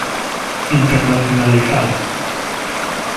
Internacionalizala.